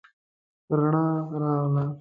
رڼا راغله